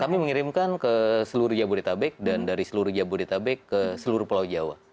kami mengirimkan ke seluruh jabodetabek dan dari seluruh jabodetabek ke seluruh pulau jawa